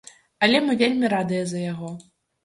Але мы вельмі радыя за яго.